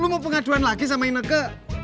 lo mau pengaduan lagi sama nekke